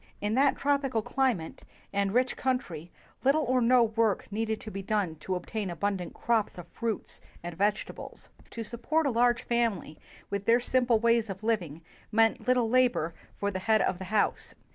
In that tropical cli mate and rich country, little or no work needed to be done to obtain abundant crops of fruits and vegetables. To support a large family with their simple ways of liv ing meant little labor for the head of the house.